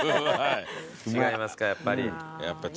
違いますかやっぱり。